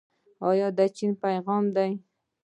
دا د چین پیغام دی.